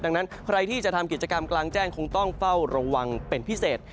ดังนั้นใครที่จะทำกิจกรรมกลางแจ้งคงต้องเฝ้าระวังเป็นพิเศษ